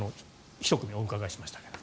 １組お伺いしましたが。